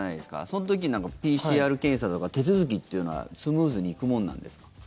その時にＰＣＲ検査とか手続きっていうのはスムーズに行くものなんですか。